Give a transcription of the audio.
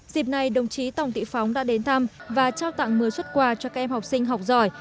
dịp này đồng chí tổng thị phóng đã đến thăm và trao tặng mưa xuất quà cho các em học sinh học giỏi